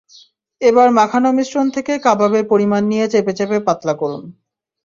এবার মাখানো মিশ্রণ থেকে কাবাবের পরিমাণ নিয়ে চেপে চেপে পাতলা করুন।